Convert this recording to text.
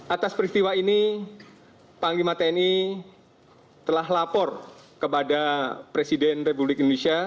atas peristiwa ini panglima tni telah lapor kepada presiden republik indonesia